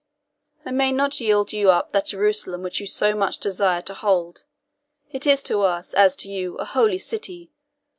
I may not yield you up that Jerusalem which you so much desire to hold it is to us, as to you, a Holy City.